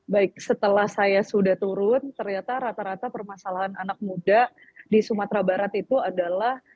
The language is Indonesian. baik setelah saya sudah turun ternyata rata rata permasalahan anak muda di sumatera barat itu adalah